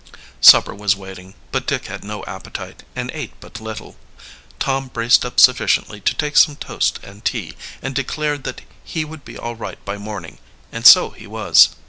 Supper was waiting, but Dick had no appetite, and ate but little. Tom braced up sufficiently to take some toast and tea, and declared that he would be all right by morning and so he was.